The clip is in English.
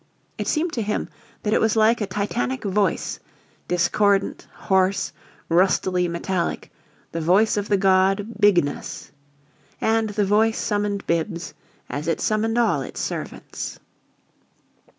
It seemed to him that it was like a titanic voice, discordant, hoarse, rustily metallic the voice of the god, Bigness. And the voice summoned Bibbs as it summoned all its servants.